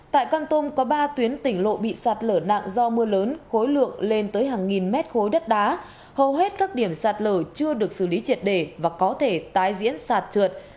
tại con tum có ba tuyến tỉnh lộ bị sạt lở nặng do mưa lớn khối lượng lên tới hàng nghìn mét khối đất đá hầu hết các điểm sạt lở chưa được xử lý triệt đề và có thể tái diễn sạt trượt